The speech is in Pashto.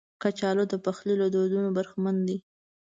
کچالو د پخلي له دودونو برخمن دي